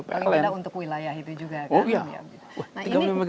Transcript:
paling beda untuk wilayah itu juga kan